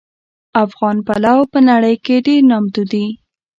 افغان پلو په نړۍ کې ډېر نامتو دي